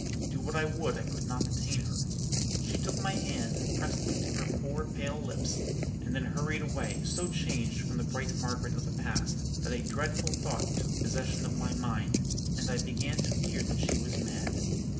Do what I would, I could not detain her. She took my hands, and pressed them to her poor pale lips, and then hurried away, so changed from the bright Margaret of the past, that a dreadful thought took possession of my mind, and I began to fear that she was mad.'